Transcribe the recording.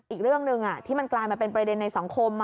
อีกเรื่องหนึ่งที่มันกลายมาเป็นประเด็นในสังคม